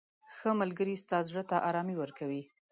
• ښه ملګری ستا زړه ته ارامي ورکوي.